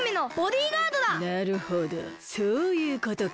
なるほどそういうことか。